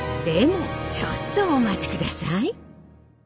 でもちょっとお待ちください。